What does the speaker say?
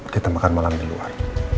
kita makan malam di luar